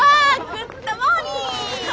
グッドモーニング！